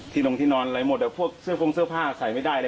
ลงที่นอนอะไรหมดพวกเสื้อโพงเสื้อผ้าใส่ไม่ได้เลย